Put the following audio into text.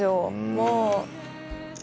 もう。